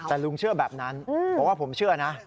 แต่ลุงเชื่อแบบนั้นบอกว่าผมเชื่อนะ